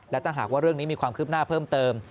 และถ้าหากว่าเรื่องนี้มีความคืบหน้าเพิ่มเติม